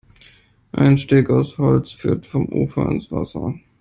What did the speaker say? Ein Steg aus Holz führt vom Ufer ins Wasser.